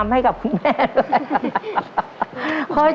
เฮ้ย